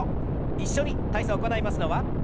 一緒に体操行いますのは。